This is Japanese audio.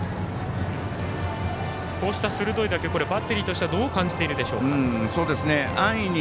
こうした鋭い打球バッテリーとしてはどう感じているでしょうか。